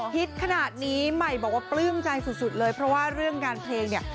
ฮิตขนาดนี้ใหม่บอกว่าปลื้มใจสุดเลยเพราะว่าเรื่องงานเพลงเนี่ย